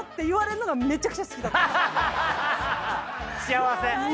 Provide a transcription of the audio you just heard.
幸せ！